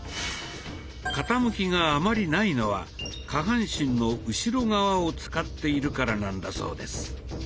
傾きがあまりないのは下半身の後ろ側を使っているからなんだそうです。